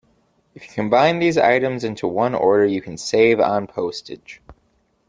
If you combine these items into one order, you can save on postage.